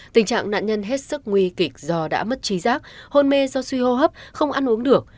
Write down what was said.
tình trạng nạn nhân hết sức nguy kịch do đã mất trí giác hôn mê do suy hô hấp không ăn uống được